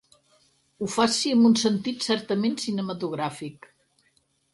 Ho faci amb un sentit certament cinematogràfic.